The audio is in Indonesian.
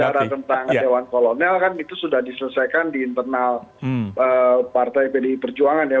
bicara tentang dewan kolonel kan itu sudah diselesaikan di internal partai pdi perjuangan ya